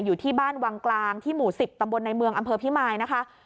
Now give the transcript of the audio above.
อยู่ที่บ้านวังกลางที่หมู่๑๐ตำบลในเมืองอำเภอพิมายนะคะ